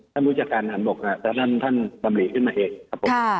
ท่านผู้จัดการอ่านบกนะครับและท่านบำหรี่ขึ้นมาเองครับผม